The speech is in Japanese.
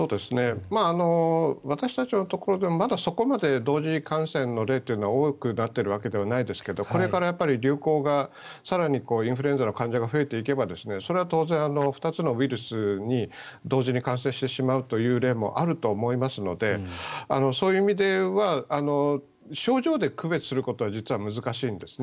私たちのところでまたそこまで同時感染の例は多くなっているわけではないですがこれから流行が更にインフルエンザの患者が増えていけばそれは当然、２つのウイルスに同時に感染してしまうという例もあると思いますのでそういう意味では症状で区別することは実は難しいんですね。